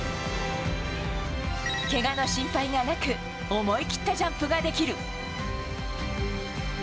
けがの心配がなく、思い切ったジャンプができる。